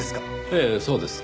ええそうです。